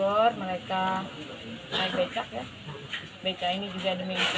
mereka saya becak ya becak ini juga dimengisi oleh si tersangka